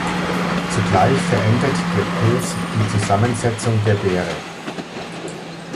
Zugleich verändert der Pilz die Zusammensetzung der Beere.